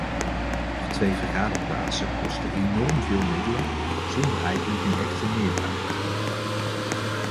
De twee vergaderplaatsen kosten enorm veel middelen, zonder eigenlijk een echte meerwaarde te bieden.